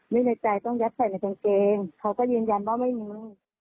ในใจต้องยัดใส่ในกางเกงเขาก็ยืนยันว่าไม่มี